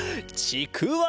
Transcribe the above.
ちくわ！